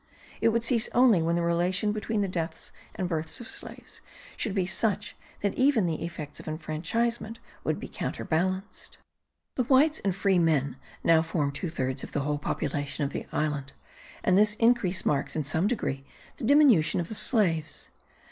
It would cease only when the relation between the deaths and births of slaves should be such that even the effects of enfranchisement would be counterbalanced. The whites and free men now form two thirds of the whole population of the island, and this increase marks in some degree the diminution of the slaves.